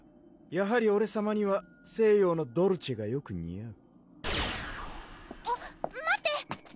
やはりオレさまには西洋のドルチェがよく似合う待って！